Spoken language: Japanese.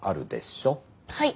はい。